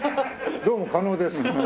どうも加納です。